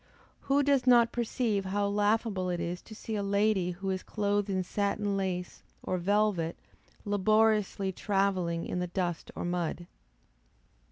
Who does not perceive how laughable it is to see a lady who is clothed in satin lace, or velvet, laboriously travelling in the dust or mud.